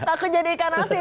aku jadi ikan asin